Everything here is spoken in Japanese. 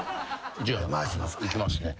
じゃあいきますね。